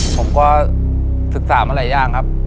ผมก็ศึกษามาหลายอย่างครับ